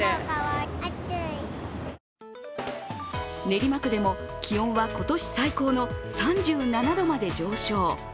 練馬区でも気温は今年最高の３７度まで上昇。